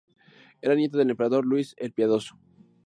Era nieto del Emperador Luis el Piadoso.